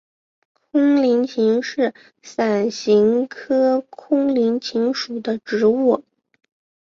空棱芹是伞形科空棱芹属的植物。